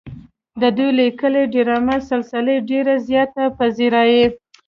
د دوي ليکلې ډرامو سلسلې ډېره زياته پذيرائي